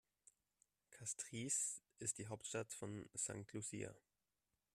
Castries ist die Hauptstadt von St. Lucia.